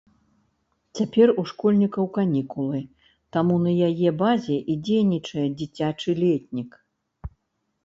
Цяпер у школьнікаў канікулы, таму на яе базе і дзейнічае дзіцячы летнік.